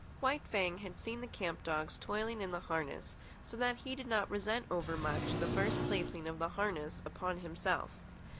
White Fang had seen the camp dogs toiling in the harness, so that he did not resent overmuch the first placing of the harness upon himself.